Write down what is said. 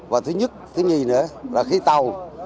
và thứ nhất thứ nhì nữa là khi tàu